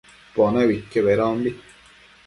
Pone uidquio bedombi